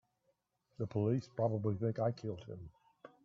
The police probably think I killed him.